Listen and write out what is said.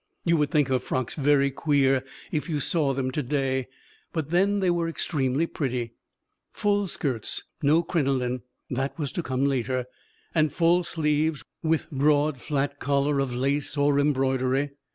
You would think her frocks very queer if you saw them to day, but then they were extremely pretty; full skirts (no crinoline! that was to come later) and full sleeves, with broad flat collar of lace or embroidery.